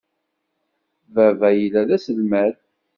Baba yella d aselmad.